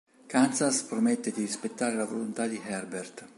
Kansas promette di rispettare la volontà di Herbert.